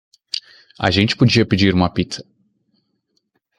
A gente podia pedir uma pizza.